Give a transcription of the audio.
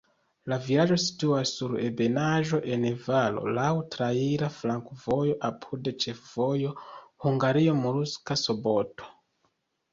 La vilaĝo situas sur ebenaĵo en valo, laŭ traira flankovojo apud ĉefvojo Hungario-Murska Sobota.